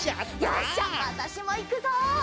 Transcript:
よしじゃあわたしもいくぞ！